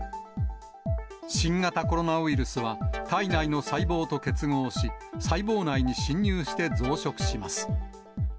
新型コロナウイルスは体内の細胞と結合し、細胞内に侵入して増殖します。